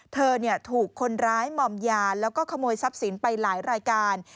เธอถูกคนร้ายมอมยาแล้วก็ขโมยทรัพย์สินไปหลายรายการ